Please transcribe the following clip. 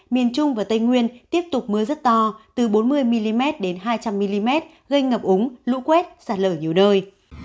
miền trung và tây nguyên tiếp tục mưa rất to từ bốn mươi mm đến hai trăm linh mm gây ngập úng lũ quét sạt lở nhiều nơi